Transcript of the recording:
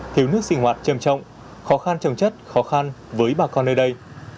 thiếu nước sinh hoạt trầm trọng khó khăn trồng chất khó khăn với bà con nơi đây